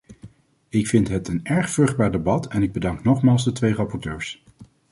Ik vind het een erg vruchtbaar debat en ik bedank nogmaals de twee rapporteurs.